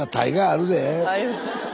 あります。